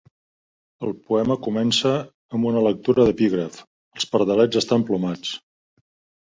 El poema comença amb una lectura d'epígraf: "Els pardalets estan plomats".